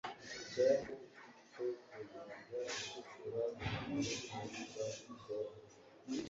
icyambu cyo ku nyanja itukura, mu gihugu cya edomu